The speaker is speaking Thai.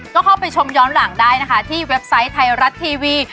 ก็เข้าไปชมย้อนหลังได้นะคะที่เว็บไซต์ไทยรัฐทีวี